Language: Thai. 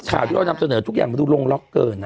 ข่าวที่เรานำเสนอทุกอย่างมันดูลงล็อกเกิน